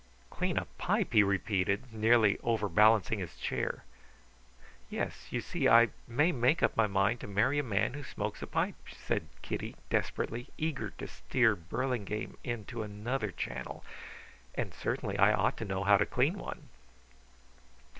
"Clean a pipe?" he repeated, nearly overbalancing his chair. "Yes. You see, I may make up my mind to marry a man who smokes a pipe," said Kitty, desperately, eager to steer Burlingame into another channel; "and certainly I ought to know how to clean one."